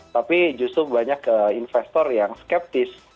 tapi justru banyak investor yang skeptis